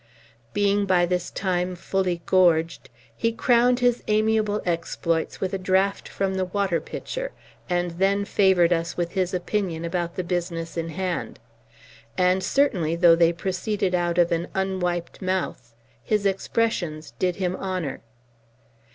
Being by this time fully gorged, he crowned his amiable exploits with a draught from the water pitcher, and then favored us with his opinion about the business in hand. And, certainly, though they proceeded out of an unwiped mouth, his expressions did him honor.